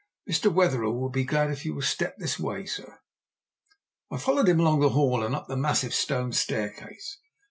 "Mr. Wetherell will be glad if you will step this way, sir." I followed him along the hall and up the massive stone staircase.